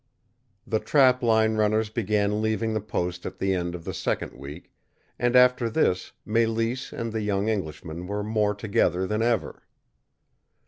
The trap line runners began leaving the post at the end of the second week, and after this Mélisse and the young Englishman were more together than ever.